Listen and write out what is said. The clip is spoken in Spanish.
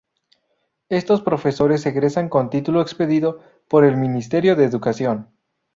Estos profesores egresan con título expedido por el Ministerio de Educación.